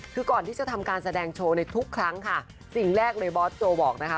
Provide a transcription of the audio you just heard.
คือก่อนที่จะทำการแสดงโชว์ในทุกครั้งค่ะสิ่งแรกเลยบอสโจบอกนะคะ